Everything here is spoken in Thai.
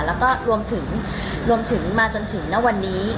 แล้วก็รวมถึงรวมถึงมาจนถึงณวันนี้